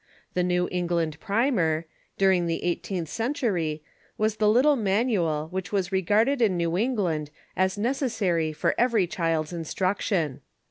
The " New England Primer," during the eighteenth century, was the little manual which was regarded Books^'^'^ in New England as necessary for every child's in struction.